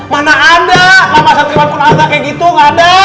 mana ada nama satriwan pun ada kayak gitu gak ada